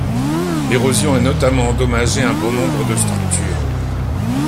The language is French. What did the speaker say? L'érosion a notamment endommagé un bon nombre de structures.